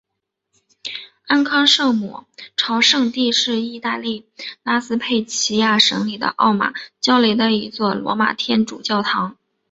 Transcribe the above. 安康圣母朝圣地是意大利拉斯佩齐亚省里奥马焦雷的一座罗马天主教教堂。